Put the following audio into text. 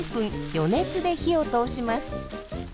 予熱で火を通します。